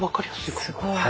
すごい。